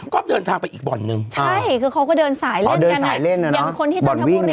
ก็เดินทางไปอีกบ่อนด์นึงใช่คือเขาก็เดินฉลายเล่นกันอย่างเดียวนะ